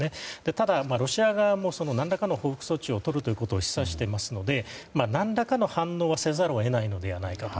ただ、ロシア側も何らかの報復措置をとることを示唆していますので何らかの反応はせざるを得ないのではないかと。